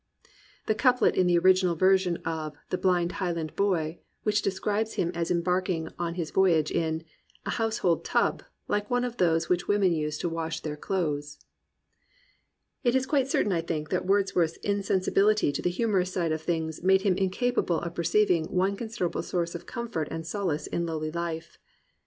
" the couplet in the original version of The Blind Highland Boy which describes him as embarking on his voyage in "A household tub, like one of those Which women use to wash their clothes." It is quite certaia, I think, that Wordsworth's in sensibility to the humourous side of things made him incapable of perceiving one considerable source of comfort and solace in lowly life.